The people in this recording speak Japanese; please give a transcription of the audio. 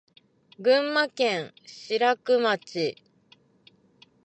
群馬県邑楽町